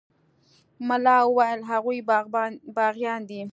ملا وويل هغوى باغيان دي.